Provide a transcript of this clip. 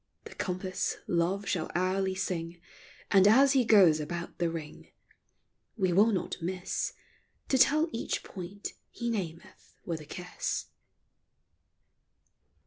The compass, love shall hourly sing ; And, as he goes about the ring, We will not miss To tell each point he nameth with a kiss.